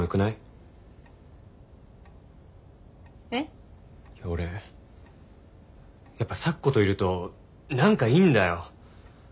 いや俺やっぱ咲子といると何かいいんだよ。